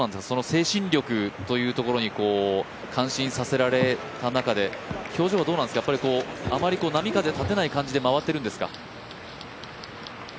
精神力というのに感心させられた中で表情はどうなんですかやっぱりあまり波風立てない感じで、回ってるんですか？